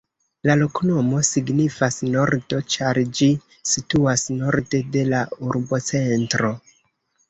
La loknomo signifas: nordo, ĉar ĝi situas norde de la urbocentro.